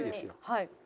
はい。